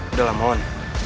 udah lah mohon